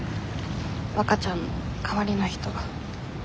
わかちゃんの代わりの人が。